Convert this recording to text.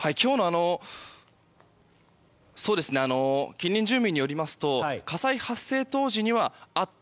近隣住民によりますと火災発生当時にはあった。